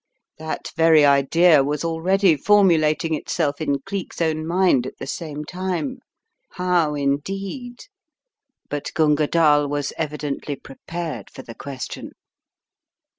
That very idea was already formulating itself in Cleek's own mind at the same time. How, indeed? But Gunga Dall was evidently prepared for the ques tion.